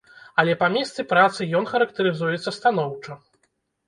Але па месцы працы ён характарызуецца станоўча.